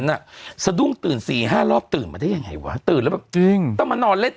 น่ะสะดุ้งตื่นสี่ห้ารอบตื่นมาได้ยังไงวะตื่นแล้วแบบจริงต้องมานอนเล่น